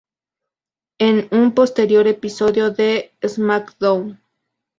En un posterior episodio de Smackdown!